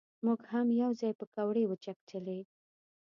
مونږ هم یو ځای پکوړې وچکچلې.